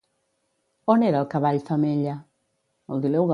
On era el cavall femella?